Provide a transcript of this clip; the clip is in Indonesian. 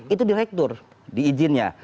itu direktur diizinnya